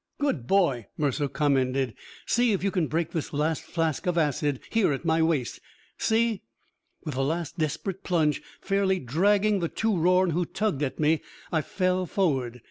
"Good boy!" Mercer commended. "See if you can break this last flask of acid, here at my waist. See "With a last desperate plunge, fairly dragging the two Rorn who tugged at me, I fell forward.